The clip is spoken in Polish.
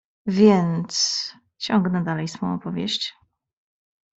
"Więc, ciągnę dalej swą opowieść."